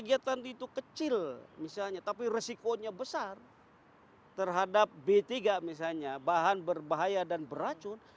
jadi biarpun kegiatan itu kecil misalnya tapi risikonya besar terhadap b tiga misalnya bahan berbahaya dan beracun